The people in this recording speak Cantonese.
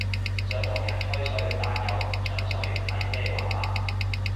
想同人吹水但又唔上水係咩玩法？